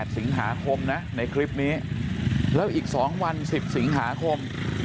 สิงหาคมนะในคลิปนี้แล้วอีก๒วัน๑๐สิงหาคม